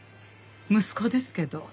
息子ですけど。